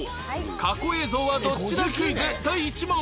過去映像はどっちだクイズ第１問